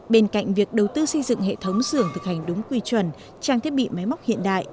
bên cạnh việc đầu tư xây dựng hệ thống xưởng thực hành đúng quy chuẩn trang thiết bị máy móc hiện đại